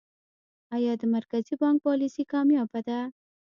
آیا د مرکزي بانک پالیسي کامیابه ده؟